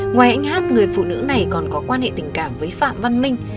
ngoài anh hát người phụ nữ này còn có quan hệ tình cảm với phạm văn minh